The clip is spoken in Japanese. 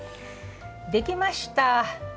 できました！